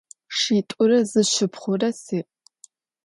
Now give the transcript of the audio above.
Şşit'ure zı şşıpxhure si'.